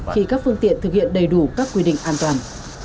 khi các phương tiện thực hiện đầy đủ các quy định an toàn